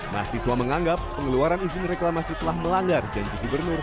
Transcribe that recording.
mahasiswa menganggap pengeluaran izin reklamasi telah melanggar janji gubernur